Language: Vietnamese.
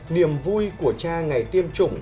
niềm vui của cha ngày tiêm chủng